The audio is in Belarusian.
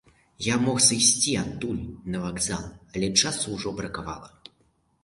Я мог сысці адтуль на вакзал, але часу ўжо бракавала.